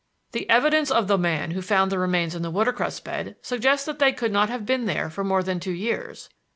"The evidence of the man who found the remains in the watercress bed suggests that they could not have been there for more than two years.